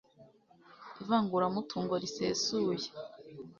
ivanguramutungo risesuye